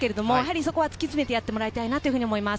そこは突き詰めてやってもらいたいと思います。